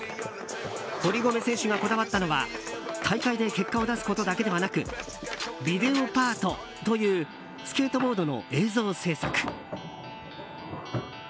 堀米選手がこだわったのは大会で結果を出すことだけではなくビデオパートというスケートボードの映像制作。